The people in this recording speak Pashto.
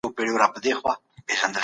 د هغه د حق ادا کول فرض دي.